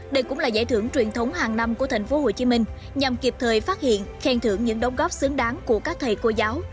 đây cũng là giải thưởng truyền thống hàng năm của tp hcm nhằm kịp thời phát hiện khen thưởng những đóng góp xứng đáng của các thầy cô giáo